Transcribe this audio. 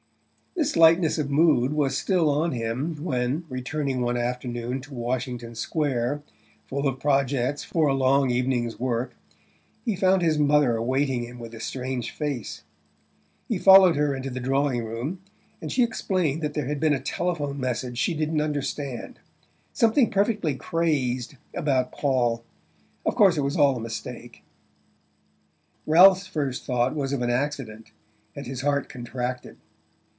This lightness of mood was still on him when, returning one afternoon to Washington Square, full of projects for a long evening's work, he found his mother awaiting him with a strange face. He followed her into the drawing room, and she explained that there had been a telephone message she didn't understand something perfectly crazy about Paul of course it was all a mistake... Ralph's first thought was of an accident, and his heart contracted.